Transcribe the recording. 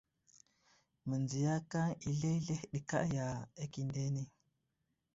Mənziyakaŋ i zləhəzləhe ɗi kaya akindene.